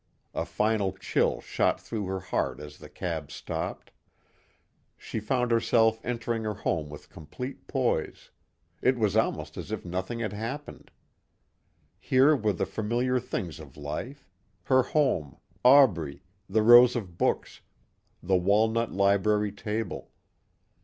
A final chill shot through her heart as the cab stopped. She found herself entering her home with complete poise. It was almost as if nothing had happened. Here were the familiar things of life. Her home, Aubrey, the rows of books, the walnut library table.